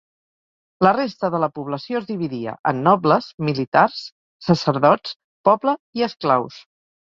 La resta de la població es dividia en nobles, militars, sacerdots, poble i esclaus.